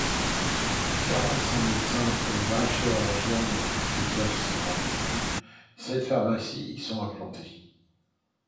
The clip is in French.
Quarante-cinq médecins et vingt chirurgiens-dentistes exercent dans la commune, sept pharmacies y sont implantés.